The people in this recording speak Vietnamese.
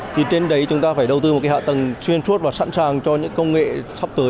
thì trên đấy chúng ta phải đầu tư một cái hạ tầng xuyên suốt và sẵn sàng cho những công nghệ sắp tới